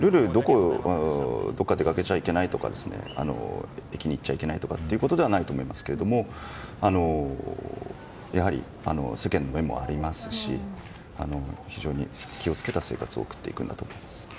どこかへ出かけちゃいけないとか駅に行っちゃいけないことではないと思いますけれどもやはり世間の目もありますし非常に気を付けた生活を送っていくと思います。